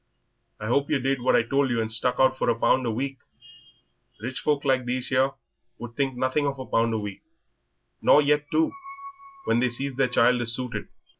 I hope yer did what I told you and stuck out for a pound a week. Rich folk like these here would think nothing of a pound a week, nor yet two, when they sees their child is suited."